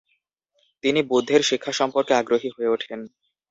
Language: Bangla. তিনি বুদ্ধের শিক্ষা সম্পর্কে আগ্রহী হয়ে ওঠেন।